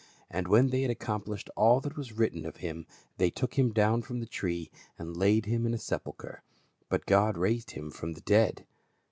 And when they had accomplished all that was written of him, they took him down from the tree and laid him in a sepulchre. But God raised him from the dead